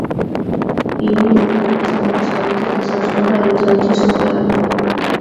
ინიამბანეს აღმოსავლეთით ესაზღვრება ინდოეთის ოკეანე.